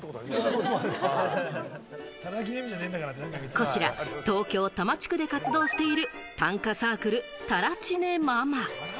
こちら東京・多摩地区で活動している短歌サークル、「たらちねｍａｍａ」。